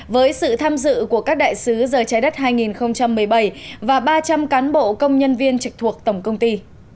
với sự tham dự của các đại sứ giờ trái đất hai nghìn một mươi bảy và ba trăm linh cán bộ công nhân viên trực thuộc tổng công ty